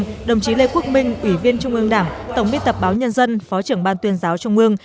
báo hà giang đồng chí lê quốc minh ủy viên trung ương đảng tổng biên tập báo nhân dân phó trưởng ban tuyên giáo trung ương